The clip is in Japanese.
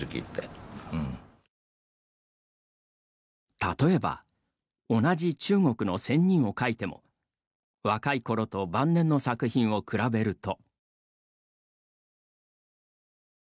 例えば、同じ中国の仙人を描いても若いころと晩年の作品を比べると。